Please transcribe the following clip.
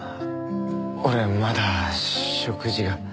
俺まだ食事が。